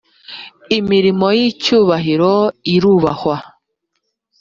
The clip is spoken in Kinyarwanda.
imirimo y ‘icyubahiro irubahwa.